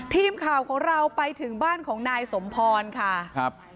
ทีมข่าวของเราไปถึงบ้านของนายสมพรค่ะครับ